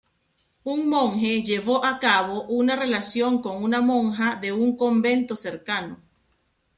Un monje llevó a cabo una relación con una monja de un convento cercano.